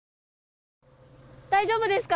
大丈夫ですか。